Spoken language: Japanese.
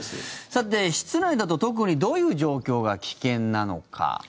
さて、室内だと特にどういう状況が危険なのか。